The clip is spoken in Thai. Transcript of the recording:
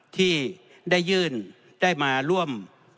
ที่ได้ยื่นได้มาร่วม